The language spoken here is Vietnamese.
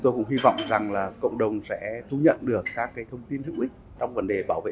tôi cũng hy vọng rằng là cộng đồng sẽ thu nhận được các thông tin hữu ích trong vấn đề bảo vệ